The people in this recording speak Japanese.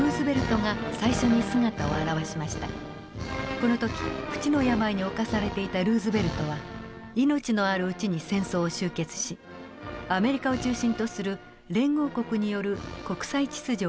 この時不治の病に侵されていたルーズベルトは命のあるうちに戦争を終結しアメリカを中心とする連合国による国際秩序を確立したいと考えていました。